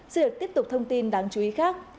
xin được tiếp tục thông tin đáng chú ý khác